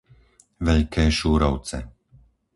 Veľké Šúrovce